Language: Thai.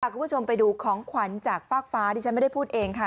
คุณผู้ชมไปดูของขวัญจากฟากฟ้าที่ฉันไม่ได้พูดเองค่ะ